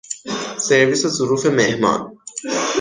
سرویس ظروف مهمان